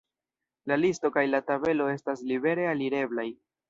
La listo kaj la tabelo estas libere alireblaj.